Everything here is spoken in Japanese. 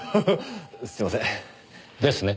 すいません。ですね。